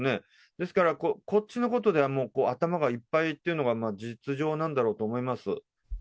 ですから、こっちのことで頭がいっぱいっていうのが実情なんだろうと思います。